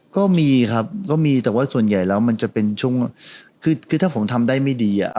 ก็มีครับก็มีแต่ว่าส่วนใหญ่แล้วมันจะเป็นช่วงคือถ้าผมทำได้ไม่ดีอ่ะ